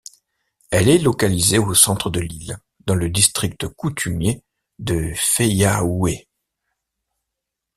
Elle est localisée au centre de l'île dans le District coutumier de Fayaoué.